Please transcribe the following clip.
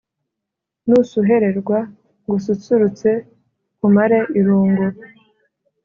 Nusuhererwa ngususurutse nkumare irungu